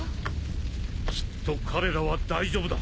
きっと彼らは大丈夫だ。